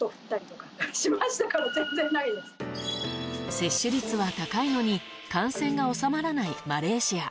接種率は高いのに感染が収まらないマレーシア。